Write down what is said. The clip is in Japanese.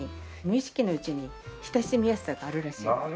無意識のうちに親しみやすさがあるらしいです。